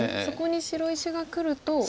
そこに白石がくると。